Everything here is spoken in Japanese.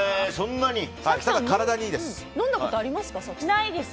ただ体にいいです。